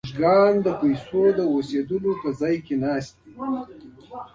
موږکان د پیسو په اوسېدلو ځای کې نڅا نه کوي.